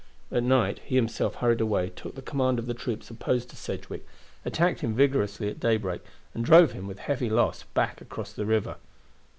At night he himself hurried away, took the command of the troops opposed to Sedgwick, attacked him vigorously at daybreak, and drove him with heavy loss back across the river.